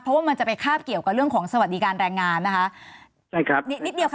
เพราะว่ามันจะไปคาบเกี่ยวกับเรื่องของสวัสดิการแรงงานนะคะใช่ครับนิดนิดเดียวค่ะ